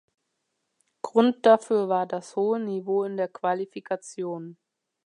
Grund dafür war das hohe Niveau in der Qualifikation.